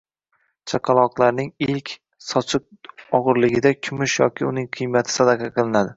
Chaqaloqning ilk, sochi og‘irligida kumush yoki uning qiymati sadaqa qilinadi.